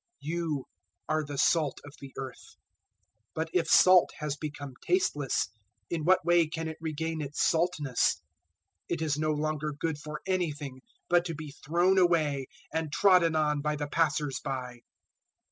005:013 "*You* are the salt of the earth; but if salt has become tasteless, in what way can it regain its saltness? It is no longer good for anything but to be thrown away and trodden on by the passers by.